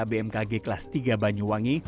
bmkg kelas tiga banyuwangi